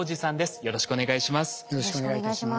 よろしくお願いします。